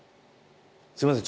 すいません